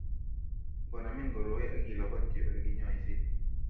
Ngonamin koroi akilobotyi Ole kinyoise,